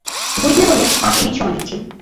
ঘড়ি খুলে বললে, পাঁচ মিনিট সময় দিচ্ছি।